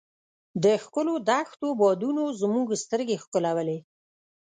د ښکلو دښتو بادونو زموږ سترګې ښکلولې.